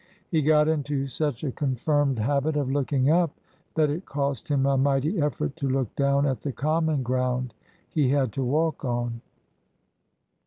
He got into such a confirmed habit of looking up that it cost him a mighty effort to look down at the common ground he had to walk on."